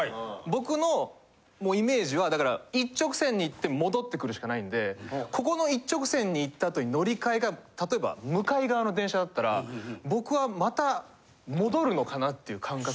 僕のイメージはだから一直線に行って戻ってくるしかないんでここの一直線に行っったあとに乗り換えが例えば向かい側の電車だったら僕はまた戻るのかなっていう感覚で。